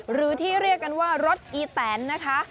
หรือที่เรียกกันว่ารถอีแตนนะคะ